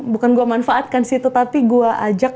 bukan gue manfaatkan sih tetapi gue ajak